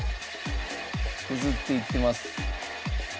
削っていってます。